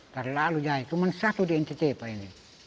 dari lalu jaya cuma satu di ncc pak